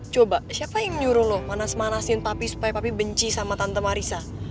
coba siapa yang nyuruh lu manas manasin papi supaya papi benci sama tante marissa